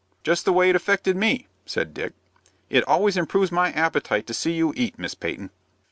"Just the way it affected me," said Dick. "It always improves my appetite to see you eat, Miss Peyton."